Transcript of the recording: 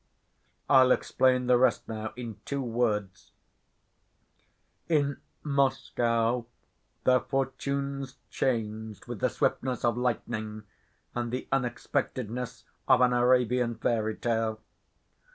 "I'll explain the rest now, in two words. In Moscow their fortunes changed with the swiftness of lightning and the unexpectedness of an Arabian fairy‐tale.